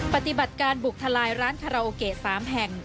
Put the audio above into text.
ปฏิบัติการบุกทลายร้านคาราโอเกะ๓แห่ง